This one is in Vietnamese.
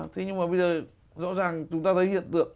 thế nhưng mà bây giờ rõ ràng chúng ta thấy hiện tượng